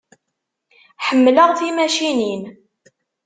Ḥemmleɣ timacinin.